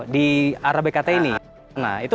di arah bkt ini nah itu